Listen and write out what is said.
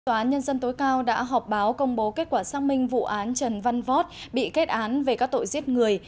tòa án nhân dân tối cao đã họp báo công bố kết quả xác minh vụ án trần văn vót bị kết án về các tội giết người